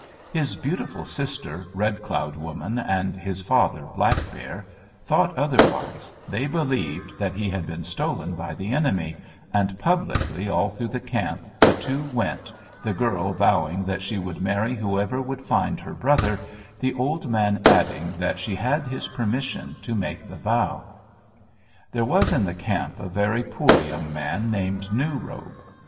His beautiful sister, Red Cloud Woman, and his father, Black Bear, thought otherwise; they believed that he had been stolen by the enemy, and publicly, all through the camp, the two went, the girl vowing that she would marry whoever would find her brother, the old man adding that she had his permission to make the vow. Ap ut´ o sosts O´muk at ai (Big River of the North). The Saskatchewan. "There was in the camp a very poor young man, named New Robe.